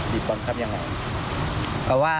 บทบังคับยังไง